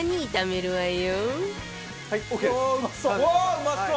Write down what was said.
うまそう！